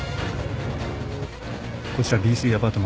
こちらＢ３アパート